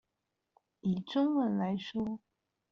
以中文來說